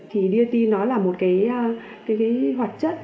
thì dlt nó là một cái hoạt chất